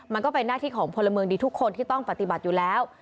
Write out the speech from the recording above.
มันก็เป็นหน้าที่ของพลเมืองดีทุกคนที่ต้องปฏิบัติอยู่แล้ว